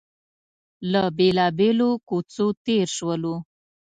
له بېلابېلو کوڅو تېر شولو.